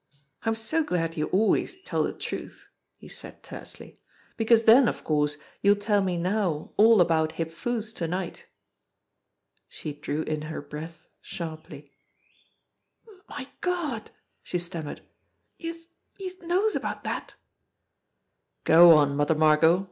"I'm so glad you always tell the truth," he said tersely, "because then, of course, you'll tell me now all about Hip Foo's to night." She drew in her breath sharply. JIMMIE DALE PAYS A VISIT 87 "My Gawd!" she stammered. "Youse youse knows about dat?" "Go on, Mother Margot